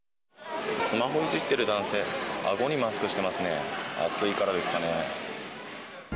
スマホいじってる男性、あごにマスクしてますね、暑いからですかね。